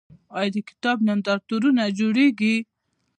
آیا د کتاب نندارتونونه جوړیږي؟